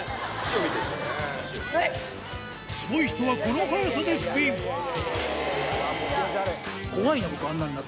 スゴい人はこの速さでスピンうわっ